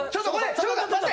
ちょっと待って。